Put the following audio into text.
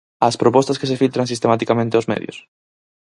Ás propostas que se filtran sistematicamente aos medios?